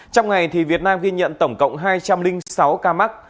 trong ngày việt nam ghi nhận tổng cộng hai trăm linh sáu ca mắc